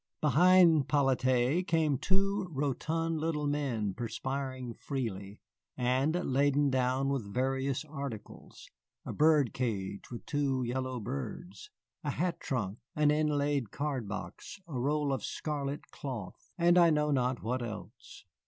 Behind 'Polyte came two rotund little men perspiring freely, and laden down with various articles, a bird cage with two yellow birds, a hat trunk, an inlaid card box, a roll of scarlet cloth, and I know not what else.